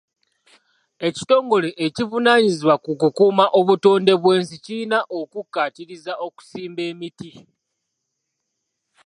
Ekitongole ekivunaanyizibwa ku kukuuma obutonde bw'ensi kirina okukkaatiriza okusimba emiti.